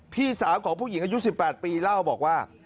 พี่สาวของผู้หญิงอายุ๑๘ปีเล่าบอกว่า